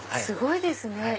すごいですね！